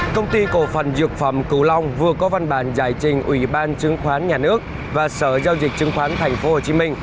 công ty cổ phần dược phẩm cửu long vừa có văn bản giải trình ủy ban chứng khoán nhà nước và sở giao dịch chứng khoán tp hcm